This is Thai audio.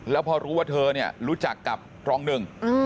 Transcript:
แล้วพอรู้ว่าเธอเนี่ยรู้จักกับรองหนึ่ง